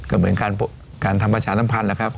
ก็เหมือนการทำประชาสัมพันธ์แหละครับ